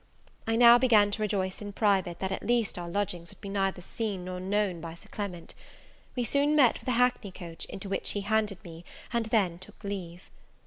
I now began to rejoice, in private, that at least our lodgings would be neither seen nor known by Sir Clement. We soon met with a hackney coach, into which he handed me, and then took leave.